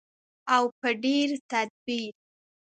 او په ډیر تدبیر.